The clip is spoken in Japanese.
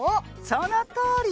そのとおり！